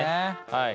はい。